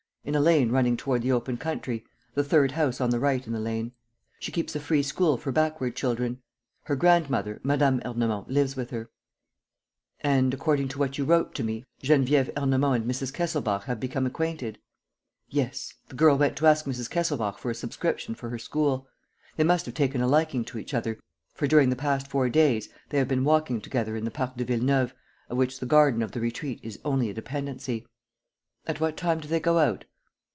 . in a lane running toward the open country, the third house on the right in the lane. She keeps a free school for backward children. Her grandmother, Mme. Ernemont, lives with her." "And, according to what you wrote to me, Geneviève Ernemont and Mrs. Kesselbach have become acquainted?" "Yes. The girl went to ask Mrs. Kesselbach for a subscription for her school. They must have taken a liking to each other, for, during the past four days, they have been walking together in the Parc de Villeneuve, of which the garden of the Retreat is only a dependency." "At what time do they go out?"